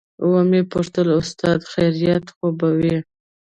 ومې پوښتل استاده خيريت خو به وي.